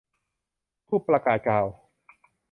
ผู้ประกาศข่าว